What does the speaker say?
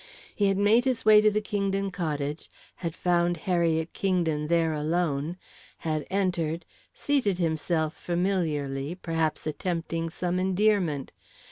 He had made his way to the Kingdon cottage, had found Harriet Kingdon there alone, had entered, seated himself familiarly, perhaps attempted some endearment.